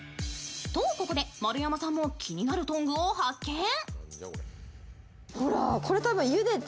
とここで、丸山さんも気になるトングを発見。